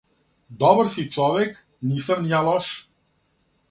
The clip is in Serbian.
Добар си човек, нисам ни ја лош!